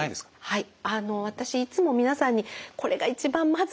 はい。